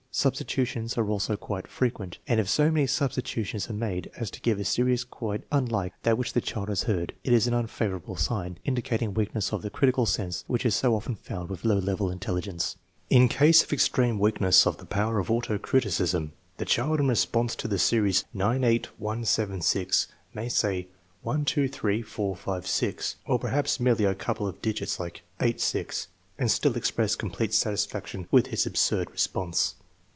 Substitutions are also quite frequent, and if so many substitutions are made as to give a series quite unlike that which the child has heard, it is an unfavorable sign, indicating weakness of the critical sense which is so often found with low level intelligence. In case of extreme weakness of the power of auto criticism, the child in response to the series 9 8 1 7 6 , may say 1 2 3 4 5 6, or perhaps merely a couple of digits like 8 6, and still express complete satisfaction with his absurd re sponse.